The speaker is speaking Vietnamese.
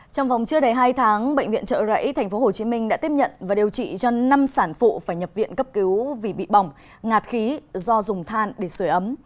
trong vòng chưa đầy hai tháng bệnh viện trợ rẫy tp hcm đã tiếp nhận và điều trị cho năm sản phụ phải nhập viện cấp cứu vì bị bỏng ngạt khí do dùng than để sửa ấm